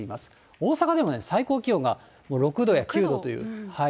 大阪でもね、最高気温がもう６度や９度という。